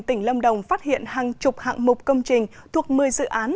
tỉnh lâm đồng phát hiện hàng chục hạng mục công trình thuộc một mươi dự án